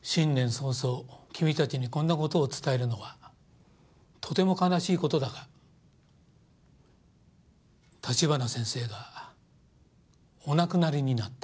早々君達にこんなことを伝えるのはとても悲しいことだが立花先生がお亡くなりになった